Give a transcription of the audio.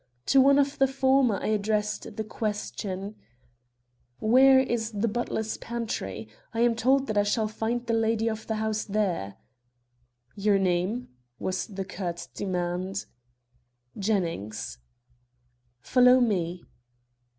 To one of the former I addressed the question: "Where is the butler's pantry? I am told that I shall find the lady of the house there." "Your name?" was the curt demand. "Jennings." "Follow me."